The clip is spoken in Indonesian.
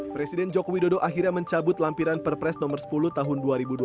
presiden joko widodo akhirnya mencabut lampiran perpres nomor sepuluh tahun dua ribu dua puluh